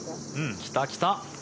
きたきた。